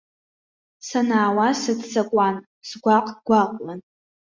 Санаауаз сыццакуан, сгәаҟ-гәаҟуан.